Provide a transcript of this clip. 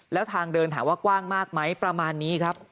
แล้วทางเดินถามว่ากว้างมากไหมประมาณนี้ครับ